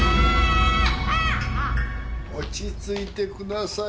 落ち着いてください。